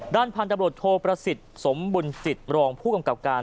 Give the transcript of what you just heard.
ด้านพันธบรวจโทประสิทธิ์สมบุญจิตรองผู้กำกับการ